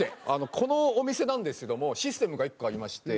このお店なんですけどもシステムが１個ありまして。